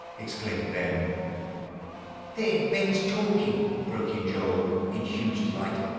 exclaimed Ben. "There, Ben's talking!" broke in Joel in huge delight.